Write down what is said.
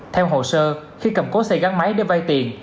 theo hồ sơ khi cầm cố xe gắn máy để vay tiền